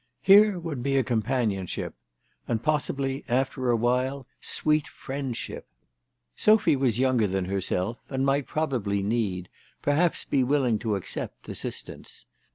Here would be a companionship, and possibly, after awhile, sweet friendship. Sophy was younger than herself, and might 270 THE TELEGRAPH GIRL. probably need, perhaps be willing to accept, assistance.